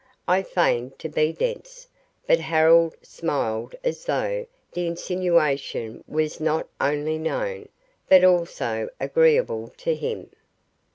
I feigned to be dense, but Harold smiled as though the insinuation was not only known, but also agreeable to him.